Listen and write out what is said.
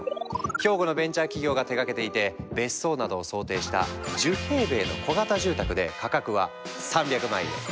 兵庫のベンチャー企業が手がけていて別荘などを想定した１０平米の小型住宅で価格は３００万円。